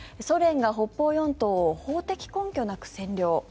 ソ連が北方四島を法的根拠なく占領。